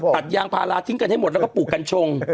ตัดยางพาราทิ้งกันให้หมดแล้วก็ปลูกกัญชง